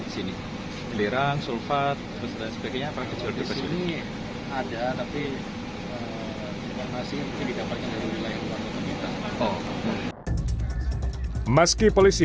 sini gelerang sulfat dan sebagainya pakai jodoh di sini ada tapi masih tidak pakai oh meski polisi